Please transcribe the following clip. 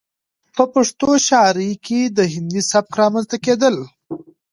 ،په پښتو شاعرۍ کې د هندي سبک رامنځته کېدل